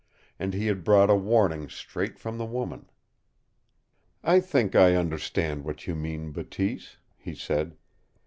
And he had brought a warning straight from the woman. "I think I understand what you mean, Bateese," he said.